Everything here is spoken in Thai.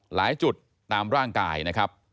หลายจุดตามร่างกายนะครับ